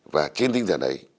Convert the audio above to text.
và trên tinh thần ấy